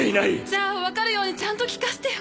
じゃあ分かるようにちゃんと聞かせてよ。